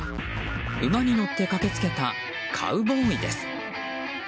馬に乗って駆け付けたカウボーイです。